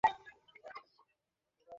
কিন্তু আমি আকাশী রঙের চেয়েছিলাম।